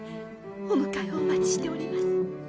お迎えをお待ちしております。